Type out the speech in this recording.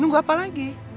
nunggu apa lagi